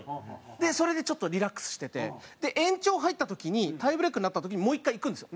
それでちょっとリラックスしててで延長入った時にタイブレークになった時にもう１回行くんですよ。